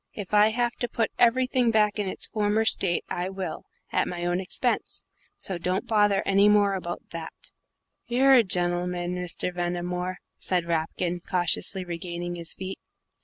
If I have to put everything back in its former state, I will, at my own expense. So don't bother any more about that." "You're a gen'l'man, Mr. Ventimore," said Rapkin, cautiously regaining his feet.